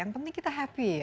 yang penting kita happy ya